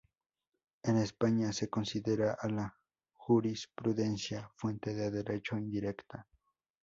En España, se considera a la jurisprudencia fuente de derecho indirecta.